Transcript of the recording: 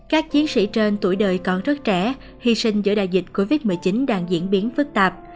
các chiến sĩ trên tuổi đời còn rất trẻ hy sinh giữa đại dịch covid một mươi chín đang diễn biến phức tạp